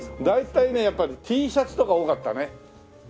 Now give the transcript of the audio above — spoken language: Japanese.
大体ねやっぱりＴシャツとか多かったね。